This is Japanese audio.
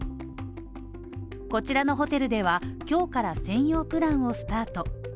こちらのホテルでは今日から専用プランをスタート。